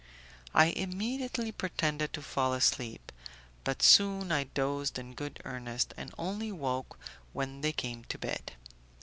I immediately pretended to fall asleep, but soon I dozed in good earnest, and only woke when they came to bed.